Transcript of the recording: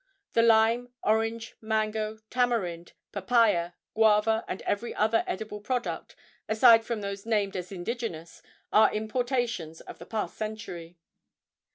The lime, orange, mango, tamarind, papaia, guava, and every other edible product, aside from those named as indigenous, are importations of the past century.